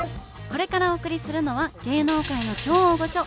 これからお送りするのは芸能界の超大御所